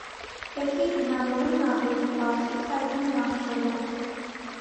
Էգի գունավորումն ավելի բաց ու ցայտուն նախշերով է։